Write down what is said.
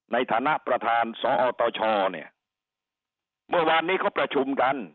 ในฐานะประธานสอตชเนี่ยเมื่อวานนี้เขาประชุมกัน